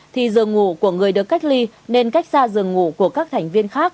thì giường ngủ của người được cách ly nên cách xa giường ngủ của các thành viên khác